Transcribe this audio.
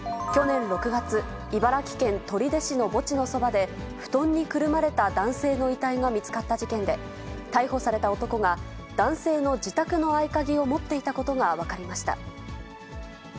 去年６月、茨城県取手市の墓地のそばで、布団にくるまれた男性の遺体が見つかった事件で、逮捕された男が、男性の自宅の合鍵を持っていたことが分かりました。